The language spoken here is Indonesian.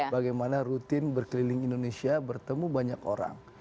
bagaimana rutin berkeliling indonesia bertemu banyak orang